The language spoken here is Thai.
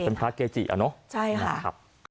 แต่เป็นพระเกจิอ่ะเนอะนะครับใช่ค่ะ